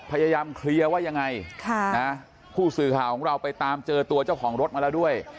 พยายามเคลียร์ว่ายังไงผู้สื่อข่าวของเราไปตามเจอตัวเจ้าของรถมาแล้วด้วย